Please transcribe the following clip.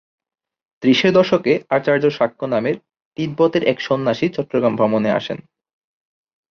ত্রিশের দশকে আচার্য শাক্য নামে তিব্বতের এক সন্ন্যাসী চট্টগ্রাম ভ্রমণে আসেন।